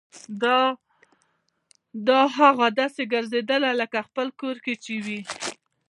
داه اغه داسې ګرځېدله لکه خپل کور چې يې وي.